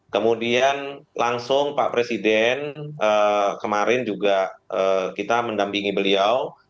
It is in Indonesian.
kemudian langsung pak presiden kemarin juga kita mendampingi beliau